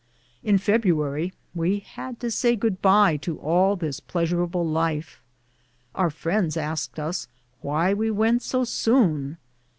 In February we had to say good bye to all this pleasurable life. Our friends asked us why we went so soon.